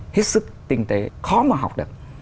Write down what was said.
hết sức tinh tế khó mà học được